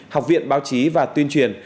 học viện báo chí và tuyên truyền